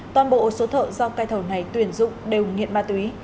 toàn bộ số thợ do cây thầu này tuyển dụng đều nghiện ma túy